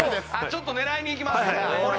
ちょっと狙いにいきます。